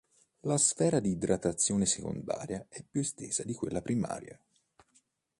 La sfera di idratazione secondaria è più estesa di quella primaria.